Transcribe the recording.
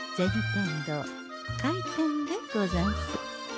天堂開店でござんす。